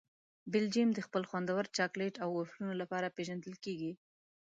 بلجیم د خپل خوندور چاکلېټ او وفلونو لپاره پېژندل کیږي.